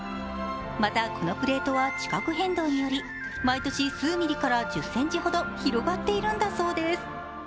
またこのプレートは地殻変動により毎年数ミリから１０ｃｍほど広がっているんだそうです。